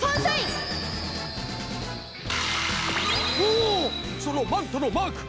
おそのマントのマーク！